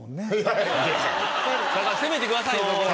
攻めてくださいよそこは。